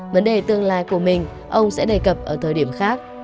vấn đề tương lai của mình ông sẽ đề cập ở thời điểm khác